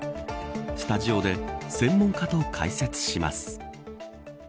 スタジオで専門家と解説します。